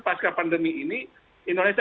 pasca pandemi ini indonesia